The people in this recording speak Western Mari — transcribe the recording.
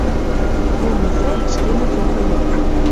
Вулны сӓэш кенӹт рок вӹлец.